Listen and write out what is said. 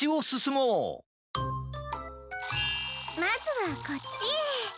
もうまずはこっちへ。